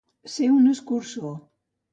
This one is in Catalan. Ser un escurçó.